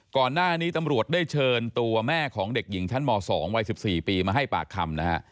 ก่อนหน้านี้ตำรวจได้เชิญตัวแม่ของเด็กหญิงชั้นม๒วัย๑๔ปีมาให้ปากคำนะฮะ